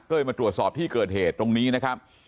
ก็เลยมาตรวจสอบที่เกิดเหตุตรงนี้นะครับ